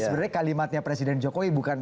sebenarnya kalimatnya presiden jokowi